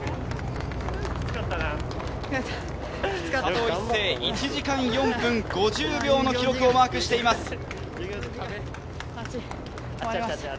佐藤一世、１時間４分５０秒の記録をマークしています。